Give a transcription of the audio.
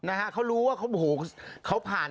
นะฮะเค้ารู้ว่าเค้าผ่าน